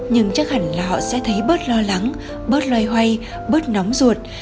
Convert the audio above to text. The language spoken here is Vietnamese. nhưng chắc hẳn là họ sẽ thấy bớt lo lắng bớt loay hoay bớt nóng ruột